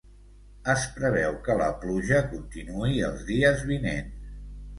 Es preveu que la pluja continuï els dies vinents.